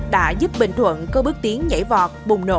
đã giúp bình thuận có bước tiến nhảy vọt